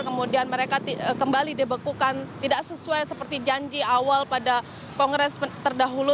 kemudian mereka kembali dibekukan tidak sesuai seperti janji awal pada kongres terdahulu